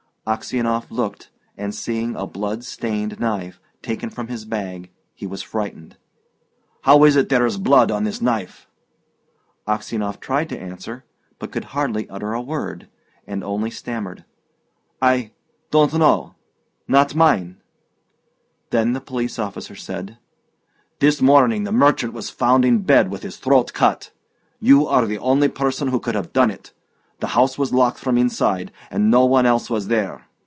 Aksionov looked, and seeing a blood stained knife taken from his bag, he was frightened. "How is it there is blood on this knife?" Aksionov tried to answer, but could hardly utter a word, and only stammered: "I don't know not mine." Then the police officer said: "This morning the merchant was found in bed with his throat cut. You are the only person who could have done it. The house was locked from inside, and no one else was there.